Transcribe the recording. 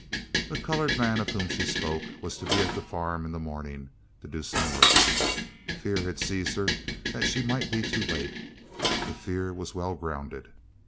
The colored man of whom she spoke was to be at the farm in the morning to do some work. A fear had seized her that she might be too late. The fear was well grounded.